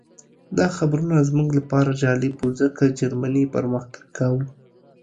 دا خبرونه زموږ لپاره جالب وو ځکه جرمني پرمختګ کاوه